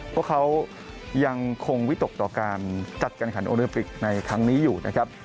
พวกเขายังคงวิตกต่อการจัดการขันโอลิมปิกในครั้งนี้อยู่นะครับ